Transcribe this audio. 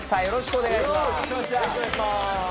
よろしくお願いします。